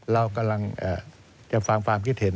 เรากำลังจะฟังความคิดเห็น